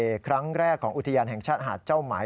ครั้งแรกของอุทยานแห่งชาติหาดเจ้าไหม